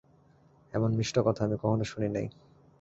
এমন মিষ্ট কথা আমি কখনও শুনি নাই।